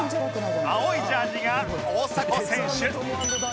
青いジャージーが大迫選手